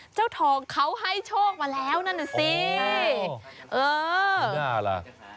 เจ้าทองเขาให้โชคมาแล้วนั่นน่ะสิเออน่าล่ะ